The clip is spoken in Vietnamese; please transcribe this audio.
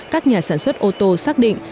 các nhà sản xuất ô tô xác định